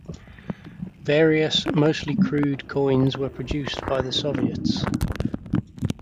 Various, mostly crude, coins were produced by the Soviets.